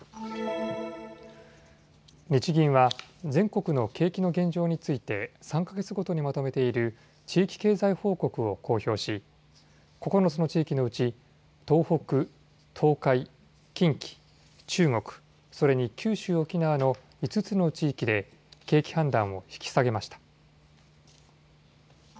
日銀は全国の景気の現状について３か月ごとにまとめている地域経済報告を公表し、９つの地域のうち、東北、東海、近畿、中国、それに九州・沖縄の５つの地域で景気判断を引き下げました。